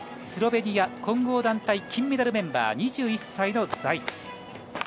スロベニア混合団体金メダルメンバー、２１歳のザイツ。